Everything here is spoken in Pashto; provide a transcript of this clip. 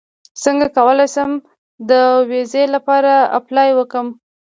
څنګه کولی شم د ویزې لپاره اپلای وکړم